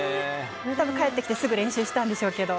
帰ってきてすぐ練習したんでしょうけど。